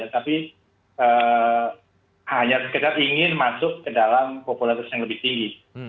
tapi hanya sekedar ingin masuk ke dalam popularitas yang lebih tinggi